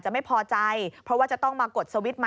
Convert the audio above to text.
นี่ค่ะคุณผู้ชมพอเราคุยกับเพื่อนบ้านเสร็จแล้วนะน้า